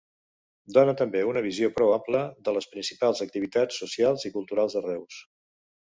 Dóna també una visió prou ampla de les principals activitats socials i culturals de Reus.